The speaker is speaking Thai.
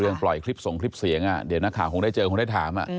ปล่อยคลิปส่งคลิปเสียงเดี๋ยวนักข่าวคงได้เจอคงได้ถาม